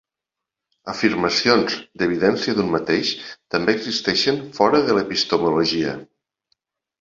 Afirmacions d'"evidència d'un mateix" també existeixen fora de l'epistemologia.